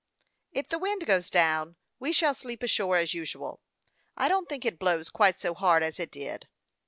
" If the wind goes down we shall sleep ashore as usual. I don't think it blows quite so hard as it did."